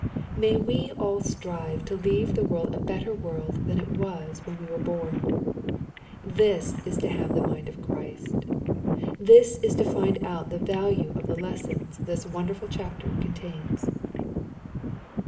May we all strive to leave the world a better world than it was when we were born I This is to have the mind of Christ. This is to find out the value of the lessons this wonderful chapter contains.